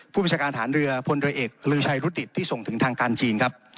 ผู้ประชาการฐานเรือผลเอกเรือชายรุดดิตที่ส่งถึงทางการจีนครับ